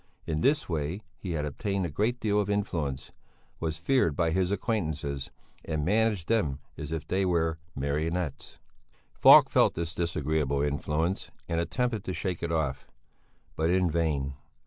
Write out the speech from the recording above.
In this way he had obtained a great deal of influence, was feared by his acquaintances, and managed them as if they were marionettes. Falk felt this disagreeable influence and attempted to shake it off; but in vain.